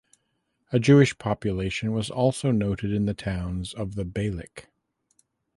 A Jewish population was also noted in the towns of the Beylik.